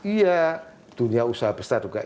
iya dunia usaha besar juga